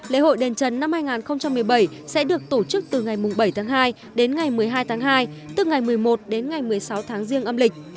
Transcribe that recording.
lễ hội đền trần năm hai nghìn một mươi bảy sẽ được tổ chức từ ngày bảy tháng hai đến ngày một mươi hai tháng hai tức ngày một mươi một đến ngày một mươi sáu tháng riêng âm lịch